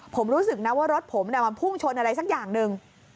ผมรู้สึกนะว่ารถผมมาพุ่งชนอะไรสักอย่างหนึ่ง